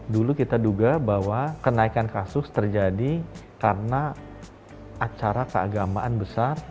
dulu kita duga bahwa kenaikan kasus terjadi karena acara keagamaan besar